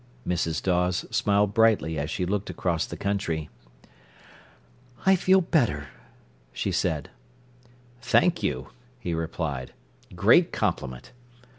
Mrs. Dawes smiled brightly as she looked across the country. "I feel better," she said. "Thank you," he replied. "Great compliment!"